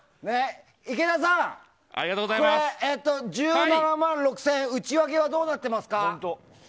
池田さん、１７万６０００円内訳はどうなってますか？